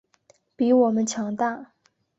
比我们强大